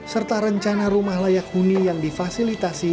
serta rencana rumah layak huni yang difasilitasi